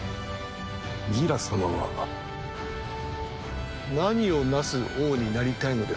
ギラ様は何をなす王になりたいのですか？